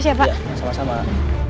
seperlah kenang kenang apa salahnya